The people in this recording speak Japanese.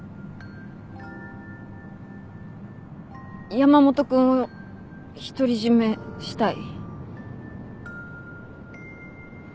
山本君を独り占めしたい。